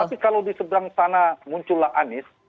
tapi kalau di seberang sana muncullah anies